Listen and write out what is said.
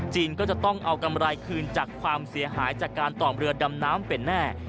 ก็จะต้องเอากำไรคืนจากความเสียหายจากการต่อมเรือดำน้ำเป็นแน่